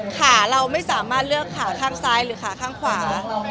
ขาเราไม่สามารถเลือกขาข้างซ้ายหรือขาข้างขวา